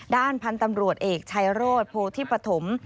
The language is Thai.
ด้านพันธุ์ตำรวจเอกชายโรธโพธิปฐม